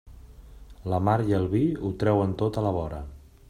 La mar i el vi ho treuen tot a la vora.